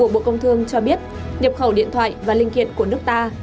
bộ công thương cho biết nhập khẩu điện thoại và linh kiện của nước ta